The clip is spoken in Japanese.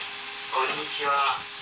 こんにちは。